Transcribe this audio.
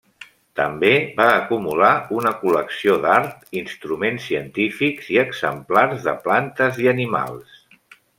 També va acumular una col·lecció d'art, instruments científics i exemplars de plantes i animals.